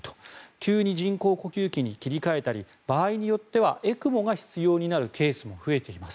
急に人工呼吸器に切り替えたり場合によってはＥＣＭＯが必要になるケースも増えています。